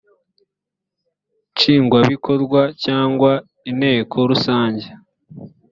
nshingwabikorwa cyangwa inteko rusange